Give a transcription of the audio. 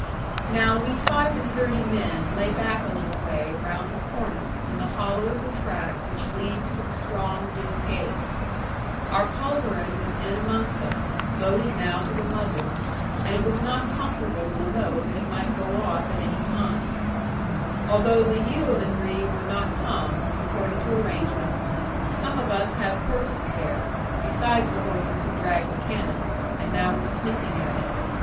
Now we five and thirty men lay back a little way round the corner, in the hollow of the track which leads to the strong Doone gate. Our culverin was in amongst us, loaded now to the muzzle, and it was not comfortable to know that it might go off at any time. Although the yeomanry were not come (according to arrangement), some of us had horses there; besides the horses who dragged the cannon, and now were sniffing at it.